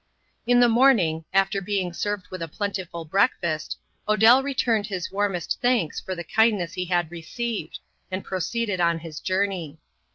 In the morning, after being served with a plentiful breakfast, Odell returned his warmest thanks for the kindness he had received, and proceeded on his journey.